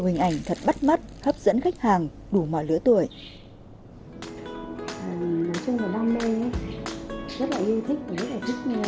hình ảnh thật bắt mắt hấp dẫn khách hàng đủ mọi lứa tuổi nói chung là đam mê rất là yêu thích rất là